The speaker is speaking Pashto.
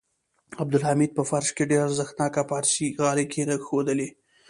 عبدالحمید په فرش کې ډېر ارزښتناکه پارسي غالۍ کېښودلې.